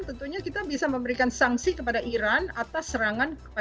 tentunya kita bisa memberikan sanksi kepada iran atas serangan